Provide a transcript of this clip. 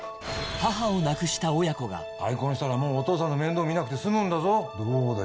母を亡くした親子が再婚したらもうお父さんの面倒見なくて済むんだぞどうだ？